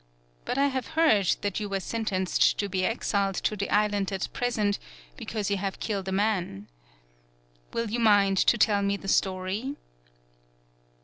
But I have heard that you were sentenced to be exiled to the island at present be cause you have killed a man. Will you mind to tell me the story?"